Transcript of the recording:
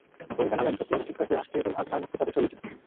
পরী জানালেন, সবকিছু ঠিক থাকলে আসছে ঈদুল আজহায় মুক্তি পাবে ছবিটি।